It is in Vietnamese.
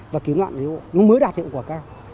và kiếm loạn mới đạt hiệu quả cao